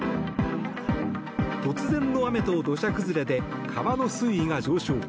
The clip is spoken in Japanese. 突然の雨と土砂崩れで川の水位が上昇。